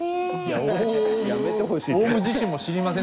「やめてほしい」って。